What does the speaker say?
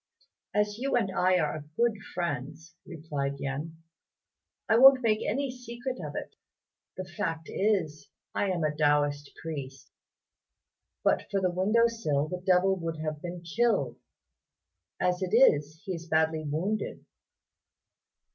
"As you and I are good friends," replied Yen, "I won't make any secret of it. The fact is I am a Taoist priest. But for the window sill the devil would have been killed; as it is, he is badly wounded."